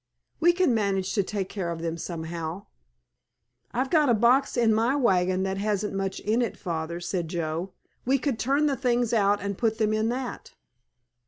We can manage to take care of them somehow." "I've got a box in my wagon that hasn't much in it, Father," said Joe; "we could turn the things out and put them in that."